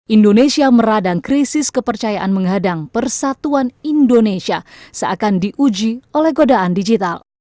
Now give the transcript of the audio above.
indonesia meradang krisis kepercayaan menghadang persatuan indonesia seakan diuji oleh godaan digital